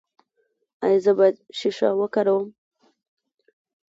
ایا زه باید شیشه وکاروم؟